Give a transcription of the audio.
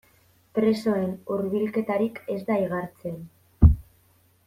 Presoen hurbilketarik ez da igartzen.